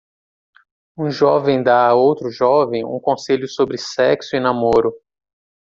Um jovem dá a outro jovem um conselho sobre sexo e namoro.